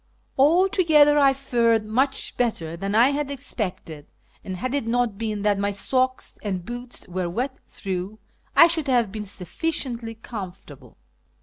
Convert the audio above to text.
Altogether I fared much better than I had expected, and, had it not been that my socks and boots were wet through, I should have been sufficiently comfortable.